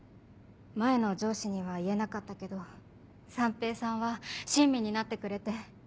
前の上司には言えなかったけど三瓶さんは親身になってくれて。